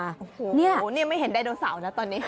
โอ้โหนี่ไม่เห็นไดโนเสาร์แล้วตอนนี้